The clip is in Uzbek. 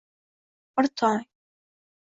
Bir tong